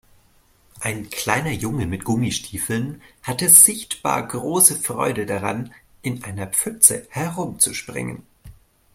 Ein kleiner Junge mit Gummistiefeln hatte sichtbar große Freude daran, in einer Pfütze herumzuspringen.